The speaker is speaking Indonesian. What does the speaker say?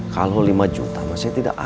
kalau lima juta maksudnya tidak ada